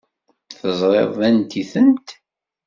Teẓriḍ anti-tent?